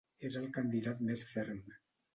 És el candidat més ferm.